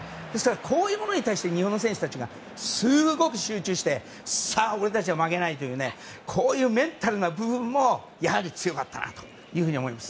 こういうものに対して日本の選手たちがすごく集中してさあ、俺たちは負けないというメンタルの部分もやはり強かったなというふうに思います。